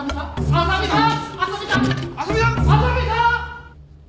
浅見さん！